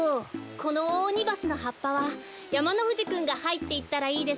このオオオニバスのはっぱはやまのふじくんがはいっていったらいいですよ。